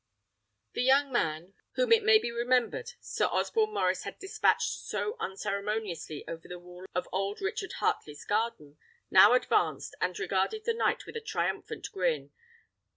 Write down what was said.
The young man, whom it may be remembered Sir Osborne Maurice had dispatched so unceremoniously over the wall of old Richard Heartley's garden, now advanced, and regarded the knight with a triumphant grin.